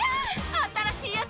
新しいやつ！